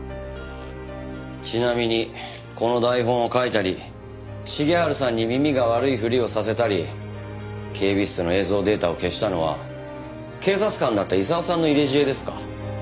ちなみにこの台本を書いたり重治さんに耳が悪いふりをさせたり警備室の映像データを消したのは警察官だった功さんの入れ知恵ですか？